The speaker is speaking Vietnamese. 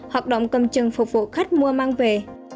hoạt động cầm chừng phục vụ khách mua mang về